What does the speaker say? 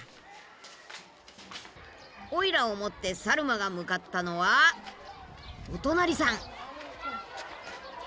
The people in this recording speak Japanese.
おいらを持ってサルマが向かったのはお隣さん！